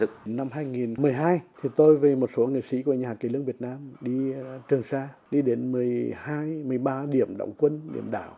thứ một mươi hai thì tôi với một số nghệ sĩ của nhà hạt kỷ lưỡng việt nam đi trường sa đi đến một mươi hai một mươi ba điểm động quân điểm đảo